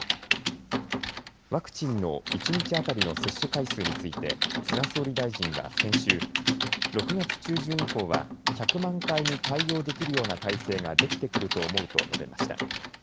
ワクチンの一日当たりの接種回数について菅総理大臣は先週、６月中旬以降は１００万回に対応できるような体制ができてくると思うと述べました。